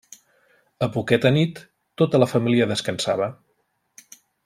A poqueta nit tota la família descansava.